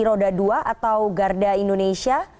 roda dua atau garda indonesia